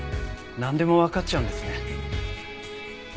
なんでもわかっちゃうんですね。